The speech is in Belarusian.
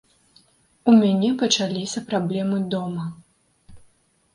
У мяне пачаліся праблемы дома.